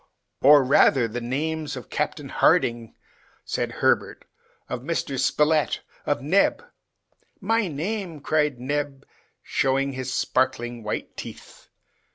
"Or, rather, the names of Captain Harding," said Herbert, "of Mr. Spilett, of Neb! " "My name!" cried Neb, showing his sparkling white teeth.